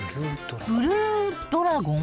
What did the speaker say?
ブルードラゴン？